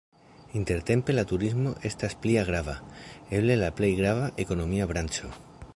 Intertempe la turismo estas plia grava, eble la plej grava, ekonomia branĉo.